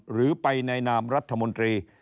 หรือไปในนามรัฐมนตรี